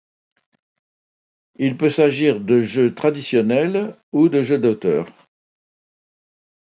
Il peut s'agir de jeux traditionnels ou de jeux d'auteurs.